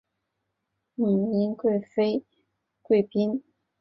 母殷贵嫔。